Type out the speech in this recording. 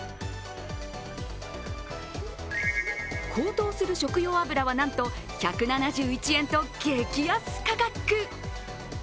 高騰する食用油はなんと１７１円と激安価格。